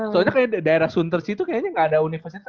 soalnya kayaknya daerah sunters itu kayaknya gak ada universitas